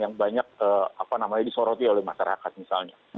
yang banyak disoroti oleh masyarakat misalnya